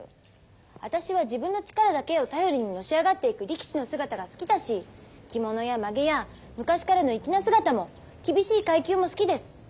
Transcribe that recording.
私は自分の力だけを頼りにのし上がっていく力士の姿が好きだし着物やまげや昔からの粋な姿も厳しい階級も好きです。